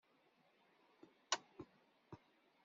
Yuba d Cabḥa msudanen yakan.